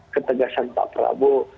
ketegasan pak prabowo